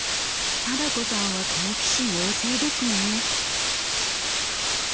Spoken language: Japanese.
貞子さんは好奇心旺盛ですね。